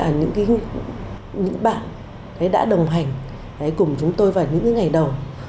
những bạn đã đồng hành cùng chúng tôi vào những ngày đầu